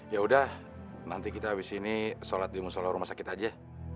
yaudah nanti kita abis ini sholat di musola rumah sakit aja